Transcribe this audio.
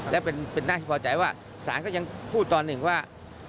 และเป็นหน้าที่พอใจว่าสารก็ยังพูดตอนหนึ่งว่า